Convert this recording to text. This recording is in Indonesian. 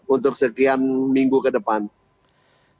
untuk sekian minggu kedepannya